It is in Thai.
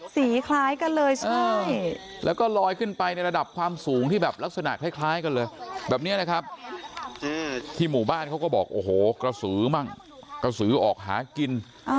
คล้ายกันเลยใช่แล้วก็ลอยขึ้นไปในระดับความสูงที่แบบลักษณะคล้ายกันเลยแบบนี้นะครับที่หมู่บ้านเขาก็บอกโอ้โหกระสือมั่งกระสือออกหากิน